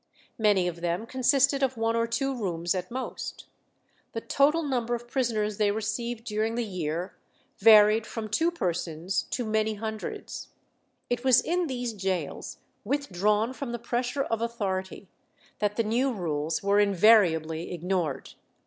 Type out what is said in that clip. Many of them consisted of one or two rooms at most. The total number of prisoners they received during the year varied from two persons to many hundreds. It was in these gaols, withdrawn from the pressure of authority, that the new rules were invariably ignored.